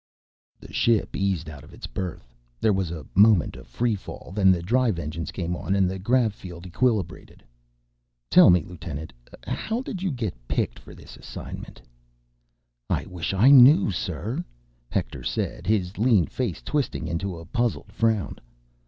The ship eased out of its berth. There was a moment of free fall, then the drive engine came on and the grav field equilibrated. "Tell me, lieutenant, how did you get picked for this assignment?" "I wish I knew, sir," Hector said, his lean face twisting into a puzzled frown.